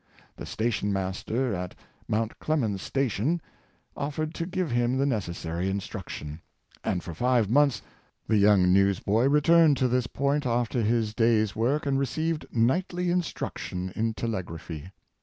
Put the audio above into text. The station master at Mount Clemens Station offered to give him the necessary instruction, and for five months the young newsboy returned to this point after his day's work and received nightly instruction in telegraphy.